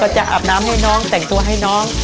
จัดแร่ออกไป